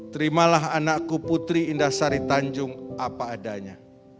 terimalah anakku putri indah saritanjung apa adanya